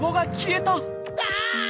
あ！